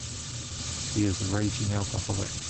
He is a raging alcoholic.